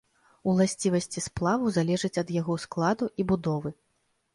Уласцівасці сплаву залежаць ад яго складу і будовы.